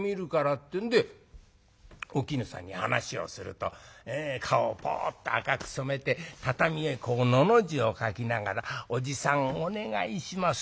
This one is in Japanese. ってんでお絹さんに話をすると顔をポッと赤く染めて畳へのの字を書きながら『おじさんお願いします』